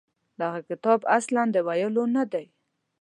دغه کتاب اصلاً د ویلو نه دی.